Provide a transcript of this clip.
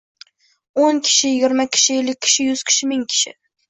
Oʻn kishi, yigirma kishi, ellik kishi, yuz kishi, ming kishi